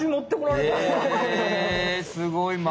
えすごい丸。